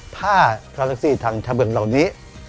ถ้าคาเล็กซี่ทางช้างเผือกเหล่านี้